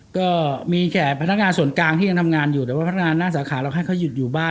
ก็มีแก่พนักงานส่วนกลางที่ยังทำงานอยู่แต่ว่าพนักงานหน้าสาขาเราให้เขาหยุดอยู่บ้าน